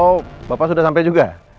oh bapak sudah sampai juga